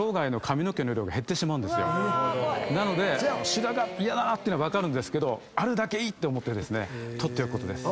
白髪嫌って分かるけどあるだけいいって思って取っておくことです。